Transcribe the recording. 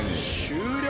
終了。